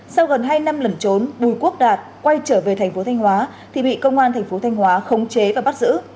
sau gần hai năm lần trốn bùi quốc đạt quay trở về tp thanh hóa thì bị công an tp thanh hóa khống chế và bắt giữ